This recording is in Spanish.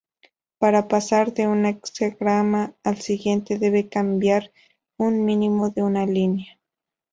Para pasar de un hexagrama al siguiente debe cambiar un mínimo de una línea.